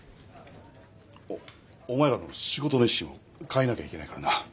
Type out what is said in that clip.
おお前らの仕事の意識も変えなきゃいけないからな。